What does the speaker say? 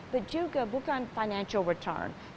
tapi juga bukan keuntungan finansial